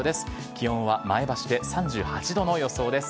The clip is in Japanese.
気温は前橋で３８度の予想です。